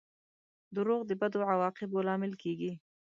• دروغ د بدو عواقبو لامل کیږي.